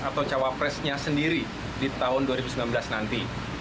atau cawapresnya sendiri di tahun dua ribu sembilan belas nanti